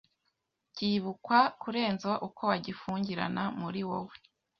kibukwa kurenza uko wagifungirana muri wowe.